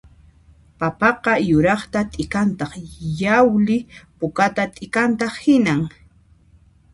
Papaqa yuraqta t'ikantaq llawli pukata t'ikantaq hinan